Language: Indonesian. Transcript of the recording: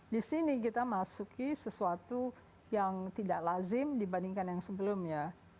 di sini kita masuki sesuatu yang tidak lazim dibandingkan yang sebelumnya